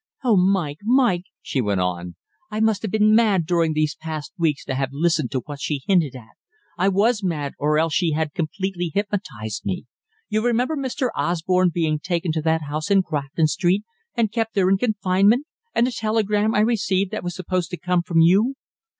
"Oh, Mike, Mike," she went on, "I must have been mad during these past weeks to have listened to what she hinted at I was mad, or else she had completely hypnotized me. You remember Mr. Osborne's being taken to that house in Grafton Street, and kept there in confinement, and the telegram I received that was supposed to come from you?